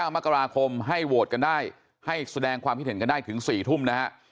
มกราคมให้โหวตกันได้ให้แสดงความคิดเห็นกันได้ถึง๔ทุ่มนะฮะ